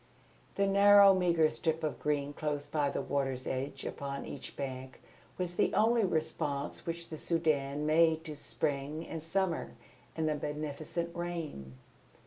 The narrow meagre strip of green close by the water's edge upon each bank was the only response which the Soudan made to Spring and Summer and the beneficent rain.